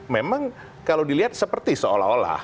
memang kalau dilihat seperti seolah olah